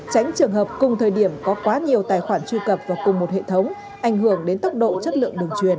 tránh trường hợp cùng thời điểm có quá nhiều tài khoản truy cập vào cùng một hệ thống ảnh hưởng đến tốc độ chất lượng đường truyền